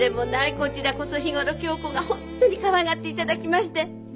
こちらこそ日頃響子が本当にかわいがっていただきまして。